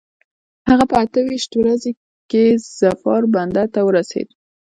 هغه په اته ویشت ورځي کې ظفار بندر ته ورسېد.